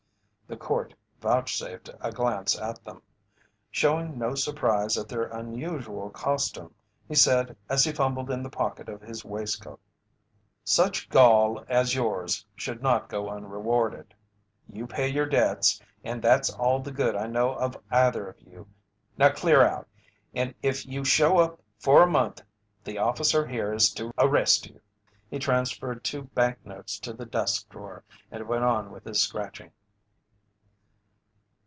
The Court vouchsafed a glance at them. Showing no surprise at their unusual costume, he said as he fumbled in the pocket of his waistcoat: "Such gall as yours should not go unrewarded. You pay your debts, and that's all the good I know of either of you. Now clear out and if you show up for a month the officer here is to arrest you." He transferred two banknotes to the desk drawer and went on with his scratching.